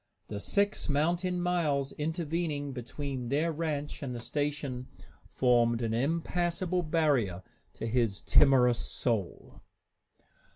The six mountain miles intervening between their ranch and the station formed an impassable barrier to his timorous soul.